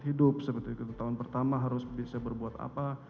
tidak ada target hidup seperti tahun pertama harus bisa berbuat apa